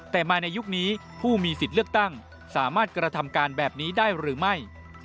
แต่มาในยุคนี้ผู้มีสิทธิ์เลือกตั้งสามารถกระทำการแบบนี้ได้หรือไม่